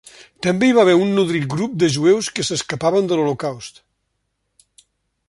També hi va haver un nodrit grup de jueus que escapaven de l'holocaust.